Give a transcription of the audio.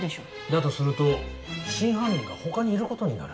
だとすると真犯人が他にいることになる。